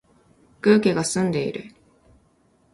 空気が澄んでいる